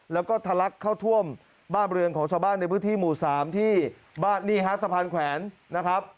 แล้วก็ทะลักเข้าท่วมบ้านเรือนของชาวบ้านในพื้นที่หมู่๓ที่บ้านนี่ฮะสะพานแขวนนะครับ